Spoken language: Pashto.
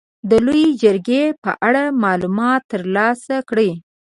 د لويې جرګې په اړه معلومات تر لاسه کړئ.